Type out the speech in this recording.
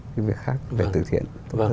cái việc khác về từ thiện